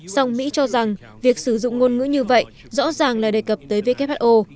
song mỹ cho rằng việc sử dụng ngôn ngữ như vậy rõ ràng là đề cập tới who